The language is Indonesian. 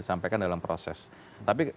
disampaikan dalam proses tapi